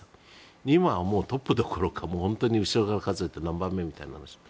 今はトップどころから後ろから数えて何番目みたいな。